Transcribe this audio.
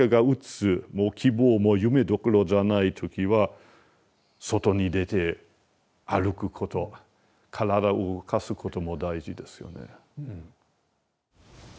もう希望も夢どころじゃない時は外に出て歩くこと体を動かすことも大事ですよね。